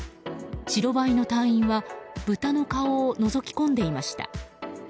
白バイの隊員は豚の顔をのぞき込んでいました。